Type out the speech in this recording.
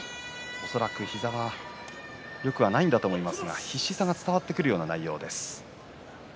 恐らく膝はよくないんだと思いますが必死さが伝わってくるような内容です。